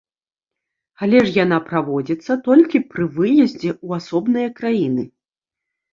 Але ж яна праводзіцца толькі пры выездзе ў асобныя краіны.